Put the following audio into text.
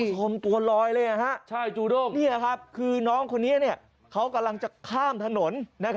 ชมตัวลอยเลยนะครับคือน้องคนนี้เนี่ยเค้ากำลังจะข้ามถนน